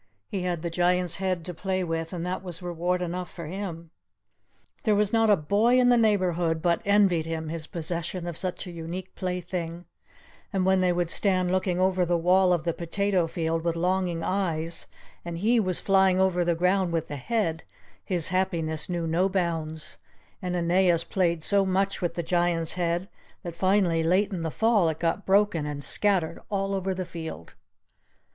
He had the Giant's head to play with and that was reward enough for him. There was not a boy in the neighbourhood but envied him his possession of such a unique plaything; and when they would stand looking over the wall of the potato field with longing eyes, and he was flying over the ground with the head, his happiness knew no bounds; and Aeneas played so much with the Giant's head that finally late in the fall it got broken and scattered all over the field.